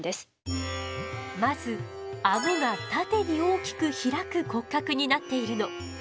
まずアゴが縦に大きく開く骨格になっているの。